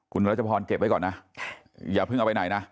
คุณรัชพรเก็บไว้ก่อนนะอย่าเพิ่งเอาไปไหนนะ